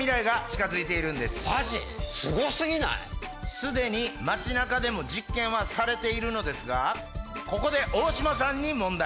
すでに街中でも実験はされているのですがここでオオシマさんに問題！